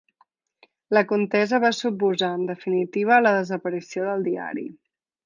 La contesa va suposar, en definitiva, la desaparició del diari.